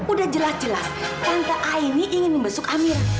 udah jelas jelas tante aini ingin membesuk amir